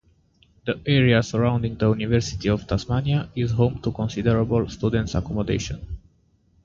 The area surrounding the University of Tasmania is home to considerable student accommodation.